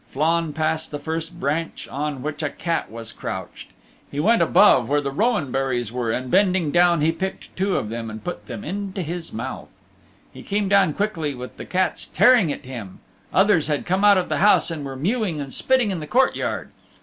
Flann passed the first branch on which a cat was crouched. He went above where the rowan berries were, and bending down he picked two of them and put them into his mouth. He came down quickly with the cats tearing at him. Others had come out of the house and were mewing and spitting in the courtyard.